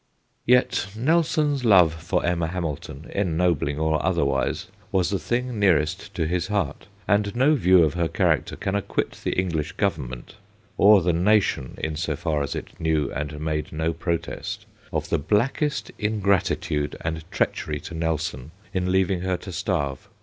Yet Nelson's love for Emma Hamilton, ennobling or otherwise, was the thing nearest his heart, and no view of her character can acquit the English Government or the nation, in so far as it knew and made no protest of the blackest ingratitude and treachery to Nelson in leaving her to starve.